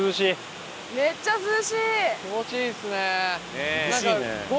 気持ちいいですね！